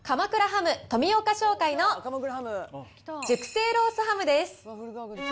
ハム富岡商会の熟成ロースハムです。